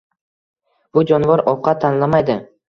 Bu jonivor ovqat tanlamaydi.